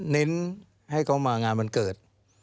แนะนำให้เขามางานบันเกิด